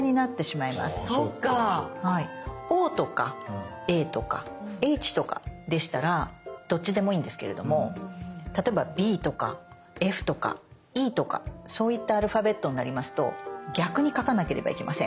「Ｏ」とか「Ａ」とか「Ｈ」とかでしたらどっちでもいいんですけれども例えば「Ｂ」とか「Ｆ」とか「Ｅ」とかそういったアルファベットになりますと逆に描かなければいけません。